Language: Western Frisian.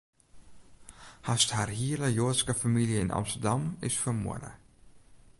Hast har hiele Joadske famylje yn Amsterdam, is fermoarde.